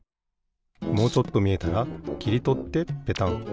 もうちょっとみえたらきりとってペタン。